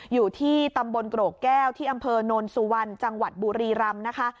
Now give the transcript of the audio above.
อยู่ที่ตำบลโกรกแก้วที่อำเภอโนนสุวรรณจังหวัดบุรีรำนะคะ